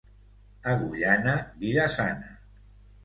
Agullana, vida sana.